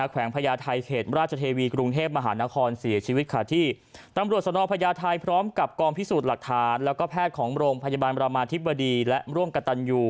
แวงพญาไทยเขตราชเทวีกรุงเทพมหานครเสียชีวิตค่ะที่ตำรวจสนพญาไทยพร้อมกับกองพิสูจน์หลักฐานแล้วก็แพทย์ของโรงพยาบาลบรามาธิบดีและร่วมกระตันยู